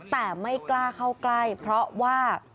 แต่ไม่กล้าเข้าใกล้เพราะว่า